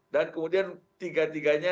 dan kemudian tiga tiganya